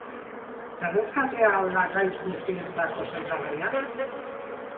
Erreskatea al da gaitz guztientzako sendagaia?